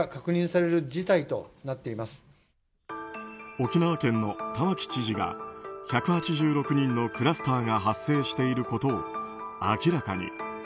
沖縄県の玉城知事が１８６人のクラスターが発生していることを明らかに。